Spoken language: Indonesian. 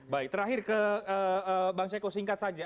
baik terakhir ke bang seko singkat saja